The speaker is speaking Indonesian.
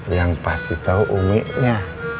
yang pasti tau umiknya